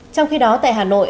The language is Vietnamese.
trong khi đó tại hà nội